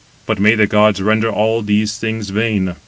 But may the gods render all these things vain."